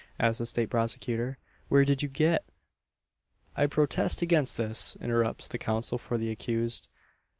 asks the State prosecutor, "where did you get ?" "I protest against this!" interrupts the counsel for the accused.